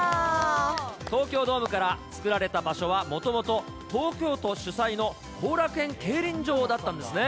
東京ドームが作られた場所はもともと東京都主催の後楽園競輪場だったんですね。